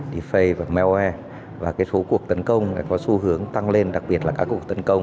defay và malware và cái số cuộc tấn công có xu hướng tăng lên đặc biệt là các cuộc tấn công